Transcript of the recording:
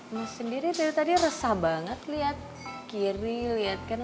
mas sendiri dari tadi resah banget lihat kiri lihat kan